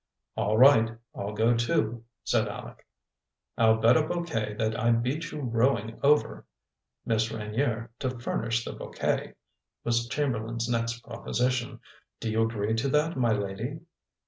"All right, I'll go too," said Aleck. "I'll bet a bouquet that I beat you rowing over Miss Reynier to furnish the bouquet!" was Chamberlain's next proposition. "Do you agree to that, my lady?"